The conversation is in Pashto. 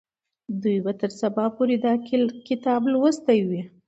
دوی به تر سبا پورې دا کتاب لوستی وي.